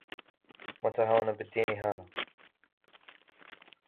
مَنْ تَهَاوَنَ بِالدِّينِ هَانَ